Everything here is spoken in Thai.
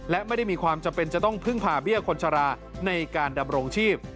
และไม่ได้มีความจำเป็นจะต้องพึ่งผ่าเบี้ยคนชราในการดำรงชีพ